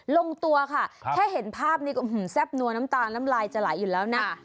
ลงตัวค่ะแค่เห็นภาพนี้ก็แซ่บนัวน้ำตาลน้ำลายจะไหลอยู่แล้วนะ